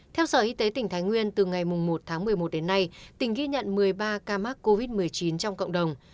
theo sở y tế tỉnh thái nguyên từ ngày một tháng một mươi một đến nay tỉnh ghi nhận một mươi ba ca mắc covid một mươi chín trong cộng đồng